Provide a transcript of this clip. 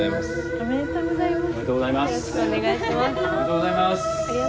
ありがとうございます。